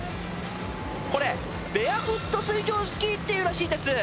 これベアフット水上スキーっていうらしいです